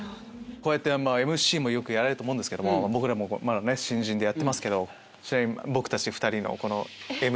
こうやってＭＣもよくやられると思うんですけども僕らもまだ新人でやってますけどちなみに。